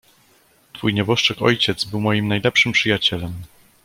"Twój nieboszczyk ojciec był moim najlepszym przyjacielem."